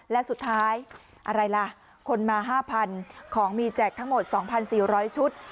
และสุดท้ายอะไรล่ะคนมาห้าพันของมีแจกทั้งหมดสองพันสี่ร้อยชุด